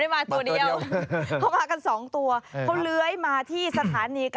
นอนอาก่อนกันนิดหนึ่งแล้วก็เลื้อยเข้าไปที่จุดสำคัญเห็นไหมคะ